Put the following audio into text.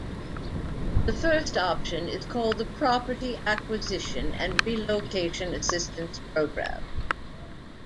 The first option is called the Property Acquisition and Relocation Assistance Program.